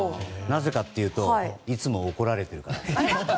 なぜかというといつも怒られてるから。